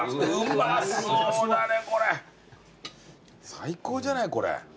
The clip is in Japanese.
最高じゃないこれ。